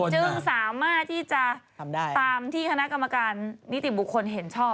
จึงสามารถที่จะทำได้ตามที่คณะกรรมการนิติบุคคลเห็นชอบ